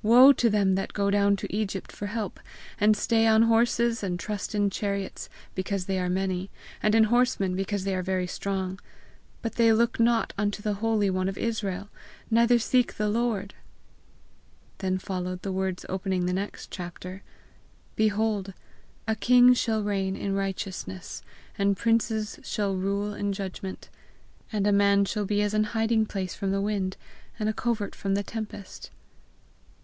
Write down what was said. "Woe to them that go down to Egypt for help; and stay on horses, and trust in chariots, because they are many; and in horsemen, because they are very strong; but they look not unto the holy one of Israel, neither seek the Lord!" Then followed the words opening the next chapter: "Behold, a king shall reign in righteousness, and princes shall rule in judgment. And a man shall be as an hiding place from the wind, and a covert from the tempest."